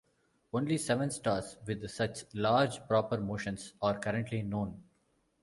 Only seven stars with such large proper motions are currently known.